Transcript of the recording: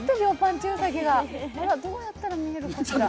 どうやったら見えるのかしら？